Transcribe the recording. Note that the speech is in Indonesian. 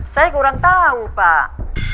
saya kurang tahu pak